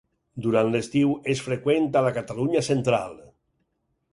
Durant l'estiu és freqüent a la Catalunya Central.